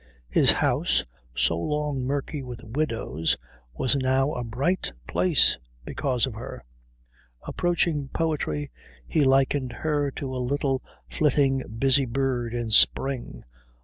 His house, so long murky with widows, was now a bright place because of her. Approaching poetry, he likened her to a little flitting busy bird in spring.